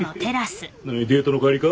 デートの帰りか？